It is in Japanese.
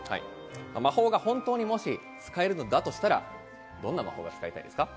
魔法が本当にもし使えるのだとしたら、どんな魔法が使いたいですか？